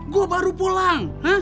gue baru pulang